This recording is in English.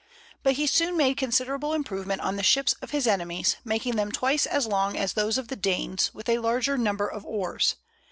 But he soon made considerable improvement on the ships of his enemies, making them twice as long as those of the Danes, with a larger number of oars.